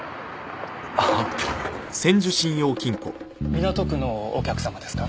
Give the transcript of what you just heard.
港区のお客様ですか？